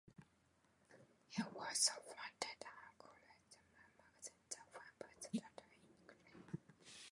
He also founded and co-edited a magazine that went by the title "Indice".